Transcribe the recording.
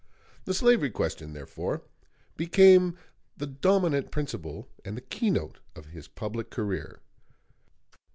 The slavery question, therefore, became the dominant principle and the keynote of his public career.